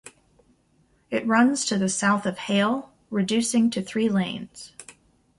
It runs to the south of Hale, reducing to three lanes.